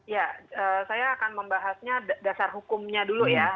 ya saya akan membahasnya dasar hukumnya dulu ya